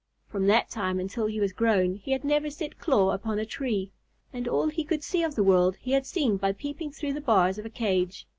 From that time until he was grown, he had never set claw upon a tree, and all he could see of the world he had seen by peeping through the bars of a cage.